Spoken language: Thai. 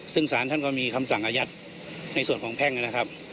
ซึ่งสารท่านก็มีคำสั่งอายัดในส่วนของแพ่งนะครับ